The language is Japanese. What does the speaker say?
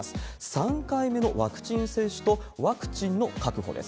３回目のワクチン接種と、ワクチンの確保です。